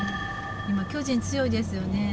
今巨人強いですよね。